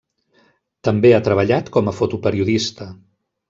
També ha treballat com a fotoperiodista.